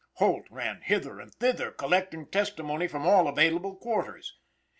Holt ran hither and thither collecting testimony from all available quarters.